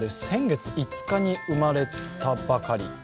先月５日に生まれたばかり。